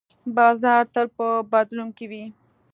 بازار تل په بدلون کې وي.